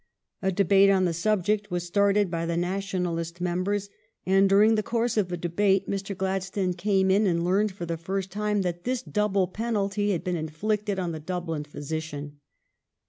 A debate on the subject was started by the Nationalist members, and during the course of the debate Mr. Gladstone came in and learned for the first time that this double penalty had been inflicted on the Dublin physician.